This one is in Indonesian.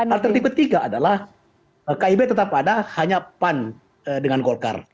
alternatif ketiga adalah kib tetap ada hanya pan dengan golkar